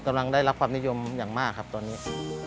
กำลังได้รับความนิยมอย่างมากครับตอนนี้